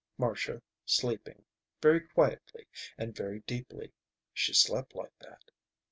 Marcia sleeping. Very quietly and very deeply. She slept like that.